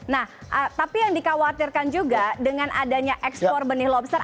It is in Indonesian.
nah tapi yang dikhawatirkan juga dengan adanya ekspor benih lobster